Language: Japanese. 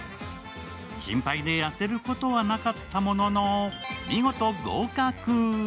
心配で痩せることはなかったものの、見事合格。